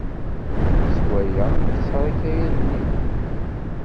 S waya, yexṣer akayad-nni.